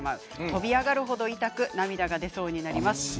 跳び上がる程痛く涙が出そうになります。